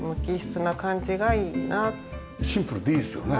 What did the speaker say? シンプルでいいですよね。